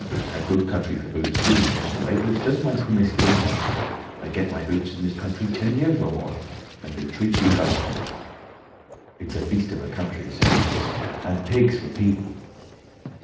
And a good country for boots, too, in a general way. But it's just my promiscuous luck. I've got my boots in this country ten years or more. And then they treat you like this." "It's a beast of a country," said the Voice. "And pigs for people."